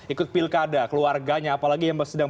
ikut pilkada keluarganya apalagi yang sedang